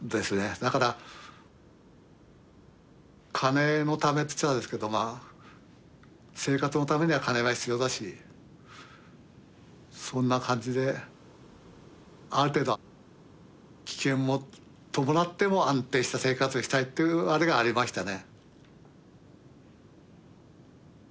だから金のためっつっちゃあれですけどまあ生活のためには金が必要だしそんな感じである程度危険も伴っても安定した生活をしたいっていうあれがありましたね。